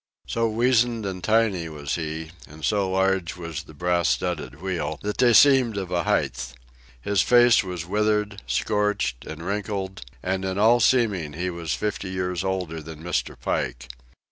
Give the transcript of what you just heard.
So weazened and tiny was he, and so large was the brass studded wheel, that they seemed of a height. His face was withered, scorched, and wrinkled, and in all seeming he was fifty years older than Mr. Pike.